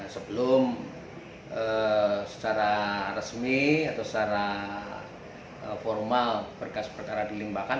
sebelum secara resmi atau secara formal berkas perkara dilimpahkan